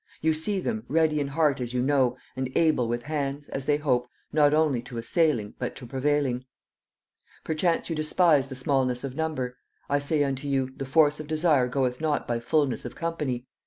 You see them, ready in heart as you know, and able with hands, as they hope, not only to assailing, but to prevailing. Perchance you despise the smallness of number. I say unto you, the force of Desire goeth not by fulness of company.